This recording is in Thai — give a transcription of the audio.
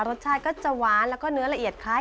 รสชาติก็จะหวานแล้วก็เนื้อละเอียดคล้าย